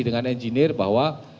dengan engineer bahwa